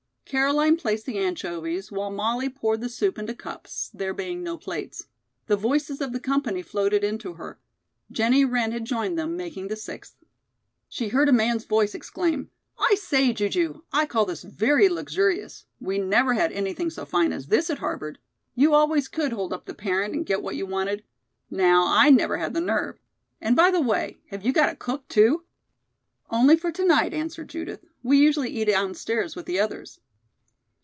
Caroline placed the anchovies while Molly poured the soup into cups, there being no plates. The voices of the company floated in to her. Jennie Wren had joined them, making the sixth. She heard a man's voice exclaim: "I say, Ju ju, I call this very luxurious. We never had anything so fine as this at Harvard. You always could hold up the parent and get what you wanted. Now, I never had the nerve. And, by the way, have you got a cook, too?" "Only for to night," answered Judith. "We usually eat downstairs with the others."